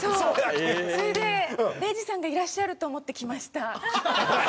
それで礼二さんがいらっしゃると思って来ました。